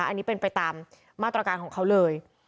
อันนี้เป็นไปตามมาตรการของเขาเลย